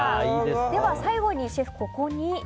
では最後にシェフ、ここに。